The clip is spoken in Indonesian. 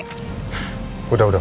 udah udah udah